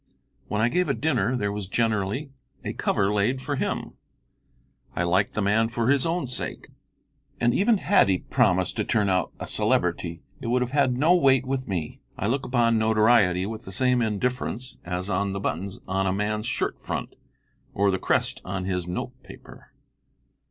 When I gave a dinner there was generally a cover laid for him. I liked the man for his own sake, and even had he promised to turn out a celebrity it would have had no weight with me. I look upon notoriety with the same indifference as on the buttons on a man's shirt front, or the crest on his note paper.